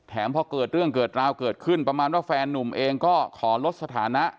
พอเกิดเรื่องเกิดราวเกิดขึ้นประมาณว่าแฟนนุ่มเองก็ขอลดสถานะ